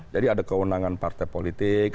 jadi ada kewenangan partai politik